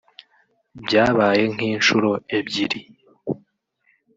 byabaye nk’ inshuro ebyiri”